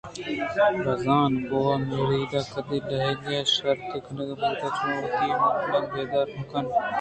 بِہ زاں گوٛاہ ءِ مُریداں کدی لاگے شُژدہ کنگ بُوتگ؟ چوں وتی مہلباں گدرٛمبو مہ کن